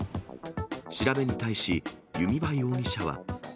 調べに対し、弓場容疑者は。